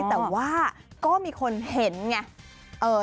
แต่ว่าก็มีคนเห็นไง